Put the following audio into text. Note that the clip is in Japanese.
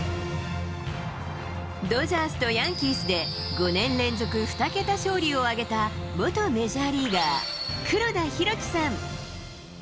ドジャースとヤンキースで、５年連続２桁勝利を挙げた元メジャーリーガー、黒田博樹さん。